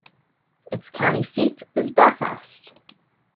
Its county seat is Belfast.